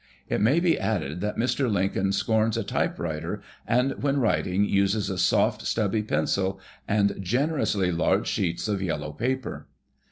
It ma}^ be added that Mr. Lin coln scorns a typewriter and when writing uses a soft stubby pencil and generoush' large sheets of yellow paper.